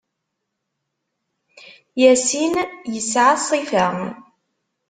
Yassin yesɛa ṣṣifa.